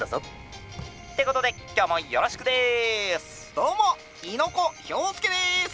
「どうも猪子兵介です！